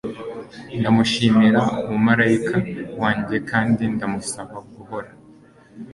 Ndamushimira umumarayika wanjye kandi ndamusaba guhora